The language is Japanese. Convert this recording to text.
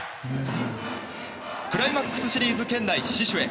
クライマックスシリーズ圏内死守へ。